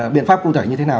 biện pháp cụ thể như thế nào